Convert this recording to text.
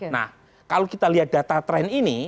nah kalau kita lihat data tren ini